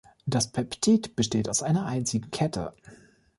Das Peptid besteht aus einer einzigen Kette.